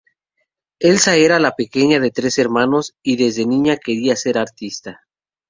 Elsa era la pequeña de tres hermanos y desde niña quería ser artista.